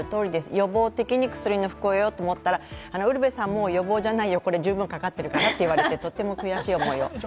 予防的に薬の服用をと思ったら、ウルヴェさん、予防じゃないよ、これ、十分かかってくるからと言われて、悔しい思いを。